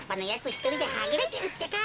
ひとりではぐれてるってか。